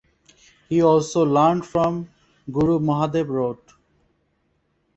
He also learned from Guru Mahadev Rout.